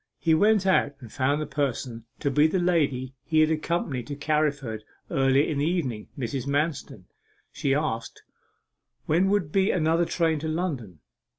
He went out and found the person to be the lady he had accompanied to Carriford earlier in the evening, Mrs. Manston. She asked, when would be another train to London?